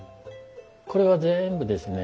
これは全部ですね